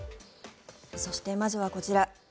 そして、まずはこちら。